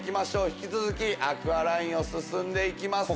引き続きアクアラインを進んで行きます。